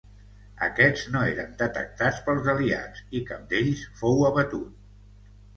Aquests no eren detectats pels Aliats i cap d'ells fou abatut.